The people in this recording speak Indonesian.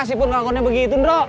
si pur ngangkutnya begitu bro